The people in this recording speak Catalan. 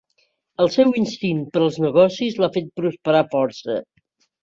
El seu instint per als negocis l'ha fet prosperar força.